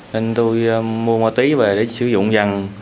nên tôi mua ma túy về để sử dụng dần